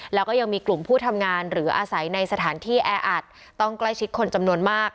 แล้วก็ยังมีกลุ่มผู้ทำงานหรืออาศัยในสถานที่แออัดต้องใกล้ชิดคนจำนวนมาก